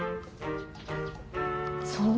そう？